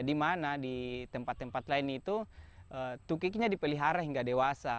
di mana di tempat tempat lain itu tukiknya dipelihara hingga dewasa